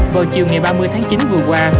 vào chiều ngày ba mươi tháng chín vừa qua